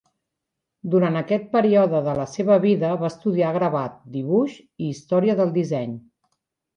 Durant aquest període de la seva vida va estudiar gravat, dibuix i història del disseny.